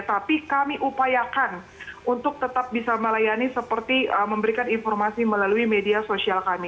tapi kami upayakan untuk tetap bisa melayani seperti memberikan informasi melalui media sosial kami